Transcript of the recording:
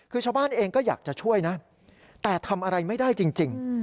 คือชาวบ้านเองก็อยากจะช่วยนะแต่ทำอะไรไม่ได้จริง